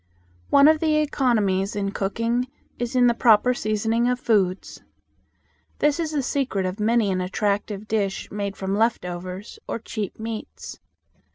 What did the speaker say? One of the economies in cooking is in the proper seasoning of foods. This is the secret of many an attractive dish made from left overs, or cheap meats.